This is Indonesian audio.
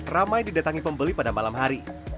ramai didatangi pembeli pada malam hari